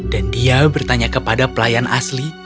dan dia bertanya kepada pelayan asli